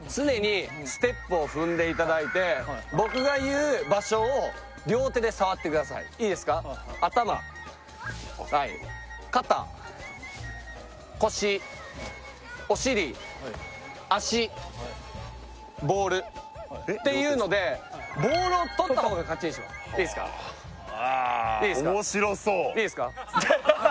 常にステップを踏んでいただいて僕が言う場所を両手で触ってくださいいいですか頭肩腰お尻足ボールっていうのでボールをとった方が勝ちにしますいいですかいいですか面白そういいですか？